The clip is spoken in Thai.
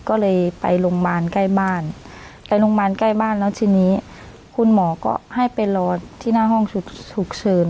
ก็เลยไปโรงพยาบาลใกล้บ้านไปโรงพยาบาลใกล้บ้านแล้วทีนี้คุณหมอก็ให้ไปรอที่หน้าห้องฉุกเฉิน